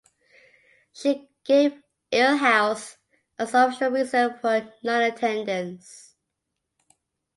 She gave ill health as the official reason for her non-attendance.